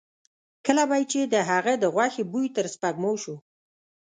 کله به یې چې د هغه د غوښې بوی تر سپېږمو شو.